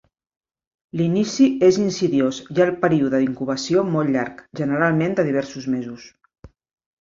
L'inici és insidiós i el període d'incubació molt llarg, generalment de diversos mesos.